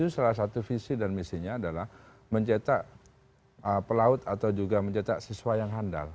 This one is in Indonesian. salah satu visi dan misinya adalah mencetak pelaut atau juga mencetak siswa yang handal